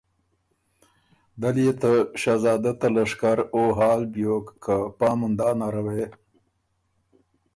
دل يې ته شهزاده ته لشکر او حال بیوک که پا مندا نره وې